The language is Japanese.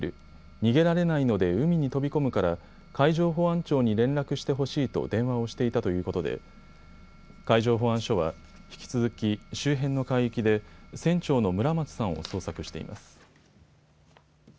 逃げられないので海に飛び込むから、海上保安庁に連絡してほしいと電話をしていたということで海上保安署は引き続き、周辺の海域で船長の村松さんを捜索しています。